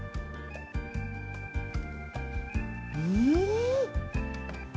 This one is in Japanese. うん！